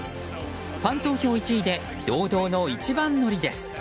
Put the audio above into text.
ファン投票１位で堂々の一番乗りです。